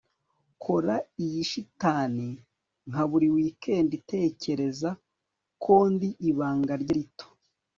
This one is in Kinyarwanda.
kora iyi shitani nka buri wikendi, tekereza ko ndi ibanga rye rito